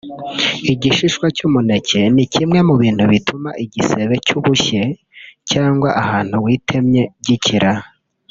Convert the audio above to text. Igishishwa cy’umuneke ni kimwe mu bintu bituma igisebe cy’ubushye cyangwa ahantu witemye gikira